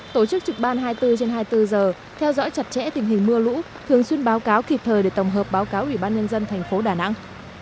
tổ chức trực ban hai mươi bốn trên hai mươi bốn giờ theo dõi chặt chẽ tình hình mưa lũ thường xuyên báo cáo kịp thời để tổng hợp báo cáo ủy ban nhân dân thành phố đà nẵng